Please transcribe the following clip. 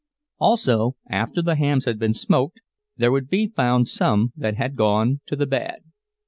Also, after the hams had been smoked, there would be found some that had gone to the bad.